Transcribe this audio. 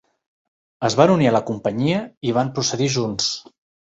Es van unir a la companyia i van procedir junts.